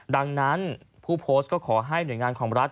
ดังนั้นผู้โพสต์ก็ขอให้หน่วยงานของรัฐ